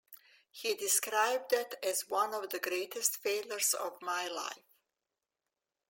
He described that as one of the greatest failures of my life...